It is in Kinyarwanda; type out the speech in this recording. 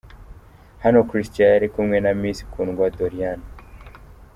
Hano Christian yari kumwe na Miss Kundwa Doriane.